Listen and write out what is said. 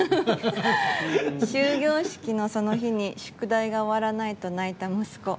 終業式のその日に宿題が終わらないと泣いた息子。